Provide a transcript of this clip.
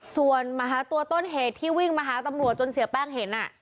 ส่วนมาหาตัวต้นเหตุที่วิ่งมาหาตำรวจจนเสียแป้งเห็น